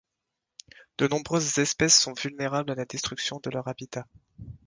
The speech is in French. De nombreuses espèces sont vulnérables à la destruction de leur habitat.